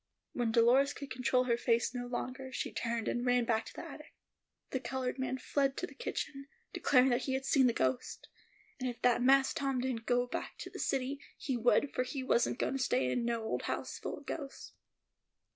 When Dolores could control her face no longer she turned, and ran back to the attic. The colored man fled to the kitchen, declaring that he had seen the ghost; and that if Mass Tom didn't go back to the city, he would, for he wasn't goin' to stay in no old house full of ghosts.